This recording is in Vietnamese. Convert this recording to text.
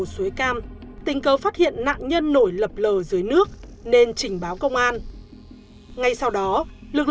suối cam tình cờ phát hiện nạn nhân nổi lập lờ dưới nước nên trình báo công an ngay sau đó lực